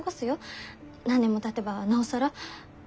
何年もたてばなおさら。